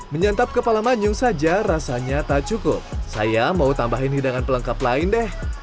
menyantap kepala manyu saja rasanya tak cukup saya mau tambahin hidangan pelengkap lain deh